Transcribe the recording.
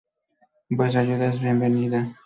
Vuestra ayuda es bienvenida!